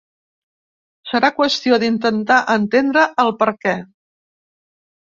Serà qüestió d’intentar entendre el perquè.